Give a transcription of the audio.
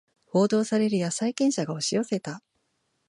報道されるや債権者が押し寄せた